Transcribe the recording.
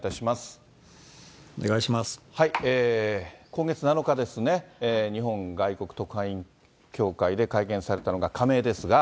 今月７日ですね、日本外国特派員協会で会見されたのが、仮名ですが。